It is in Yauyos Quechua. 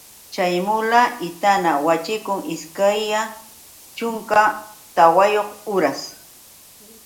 Chay mula itana waćhikun ishkaya chunka tawayuq uras.